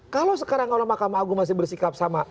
kalau sekarang kalau makam agung masih bersikap sama